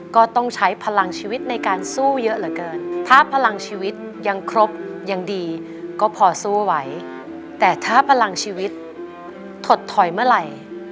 ก็พอสู้ไหวแต่ถ้าพลังชีวิตถดถอยเมื่อไหร่